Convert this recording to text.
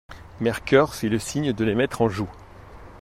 Mercœur fit le signe de les mettre en joue.